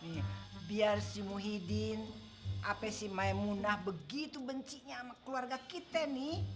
nih biar si muhyiddin apa sih maimunah begitu bencinya sama keluarga kita nih